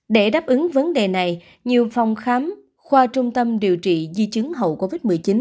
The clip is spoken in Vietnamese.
để đáp ứng vấn đề này nhiều phòng khám khoa trung tâm điều trị di chứng hậu covid một mươi chín